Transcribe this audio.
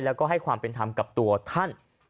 แล้วก็ให้ความเป็นธรรมกับตัวท่าน